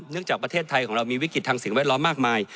จากประเทศไทยของเรามีวิกฤตทางสิ่งแวดล้อมมากมาย